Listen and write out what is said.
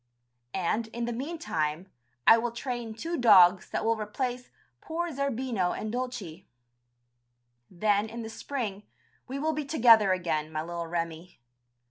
And, in the meantime, I will train two dogs that will replace poor Zerbino and Dulcie. Then in the spring we will be together again, my little Remi.